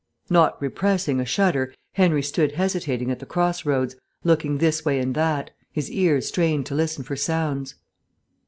Not repressing a shudder, Henry stood hesitating at the cross roads, looking this way and that, his ears strained to listen for sounds.